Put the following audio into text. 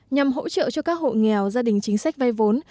nhằm hỗ trợ cho các hộ nghèo gia đình chính sách vay vốn